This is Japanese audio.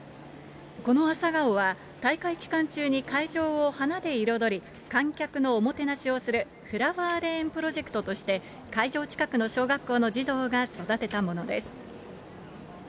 このアサガオは大会期間中に会場を花で彩り、観客のおもてなしをする、フラワーレーンプロジェクトとして会場近くの小学校の児童が育てたものです。